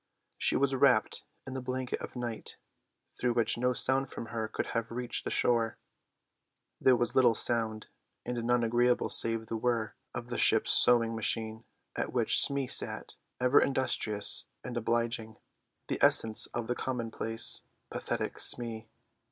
She was wrapped in the blanket of night, through which no sound from her could have reached the shore. There was little sound, and none agreeable save the whir of the ship's sewing machine at which Smee sat, ever industrious and obliging, the essence of the commonplace, pathetic Smee.